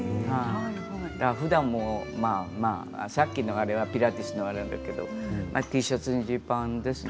ふだんもさっきのあれはピラティスのあれだけどＴシャツにジーパンですね。